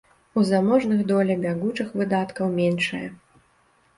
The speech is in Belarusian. У заможных доля бягучых выдаткаў меншая.